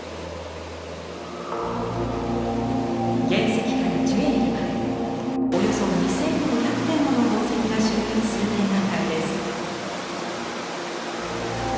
原石からジュエリーまでおよそ２，５００点もの宝石が集結する展覧会です。